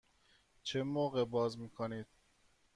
چه موقع باز می کنید؟